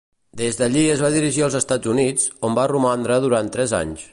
Des d'allí es va dirigir als Estats Units, on va romandre durant tres anys.